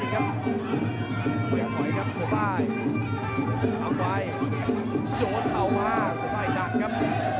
เวียบไหวครับสุดท้ายสุดท้ายโยนเข้ามาสุดท้ายจังครับ